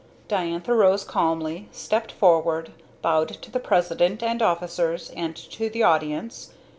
Diantha rose calmly, stepped forward, bowed to the President and officers, and to the audience.